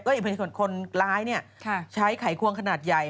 ก็อีกเป็นคนร้ายใช้ไขควงขนาดใหญ่